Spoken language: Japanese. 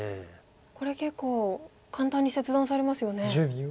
これ結構簡単に切断されますよね。